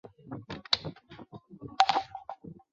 这需要花几年及大量金钱去收集合适的钻石。